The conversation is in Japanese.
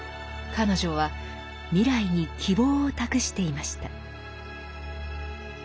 彼女は未来に希望を託していました。